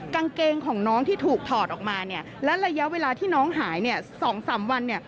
กางเกงของน้องที่ถูกถอดออกมาและระยะเวลาที่น้องหาย๒๓วัน